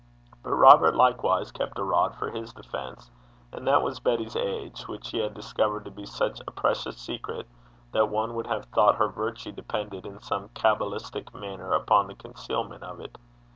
But Robert likewise kept a rod for his defence, and that was Betty's age, which he had discovered to be such a precious secret that one would have thought her virtue depended in some cabalistic manner upon the concealment of it.